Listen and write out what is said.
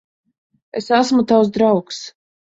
Es esmu tavs draugs.